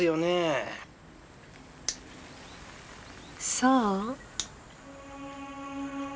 そう？